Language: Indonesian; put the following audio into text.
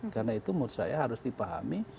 karena itu menurut saya harus dipahami